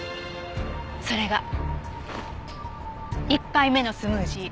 それが１杯目のスムージー。